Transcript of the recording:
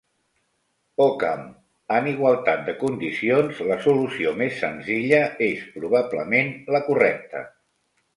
Ockham: en igualtat de condicions la solució més senzilla és probablement la correcta.